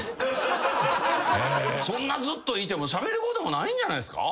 そんなずっといてもしゃべることもないんじゃないですか？